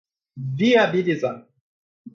viabilizar